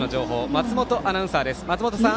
松本アナウンサーです。